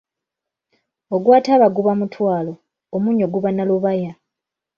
Ogwa taaba guba mutwalo, omunnyo guba na lubaya.